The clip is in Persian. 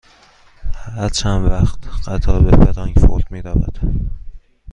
هر چند وقت قطار به فرانکفورت می رود؟